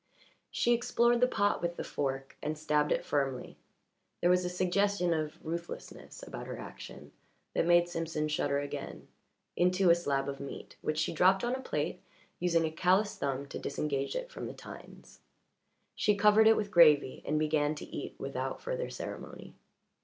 She explored the pot with the fork, and stabbed it firmly there was a suggestion of ruthlessness about her action that made Simpson shudder again into a slab of meat, which she dropped on a plate, using a callous thumb to disengage it from the tines. She covered it with gravy and began to eat without further ceremony.